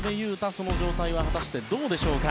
その状態は果たしてどうでしょうか。